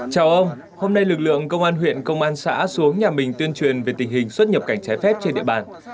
chào ông hôm nay lực lượng công an huyện công an xã xuống nhà mình tuyên truyền về tình hình xuất nhập cảnh trái phép trên địa bàn